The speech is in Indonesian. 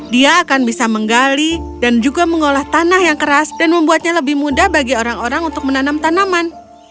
dia akan bisa menggali dan juga mengolah tanah yang keras dan membuatnya lebih mudah bagi orang orang untuk menanam tanaman